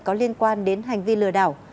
có liên quan đến hành vi lừa đảo